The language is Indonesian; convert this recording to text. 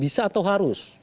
bisa atau harus